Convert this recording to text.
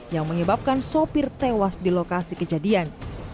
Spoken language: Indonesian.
yang menyebabkan sopir tewas di lokasi kejadian